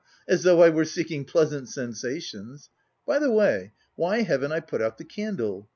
As though I were seeking pleasant sensations!... By the way, why haven't I put out the candle?"